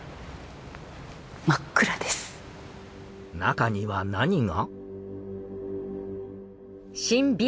中には何が？